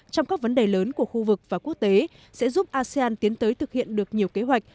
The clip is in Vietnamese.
trong các vấn đề lớn của khu vực và quốc tế sẽ giúp asean tiến tới thực hiện được nhiều kế hoạch